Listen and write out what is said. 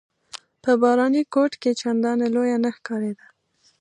په باراني کوټ کې چنداني لویه نه ښکارېده.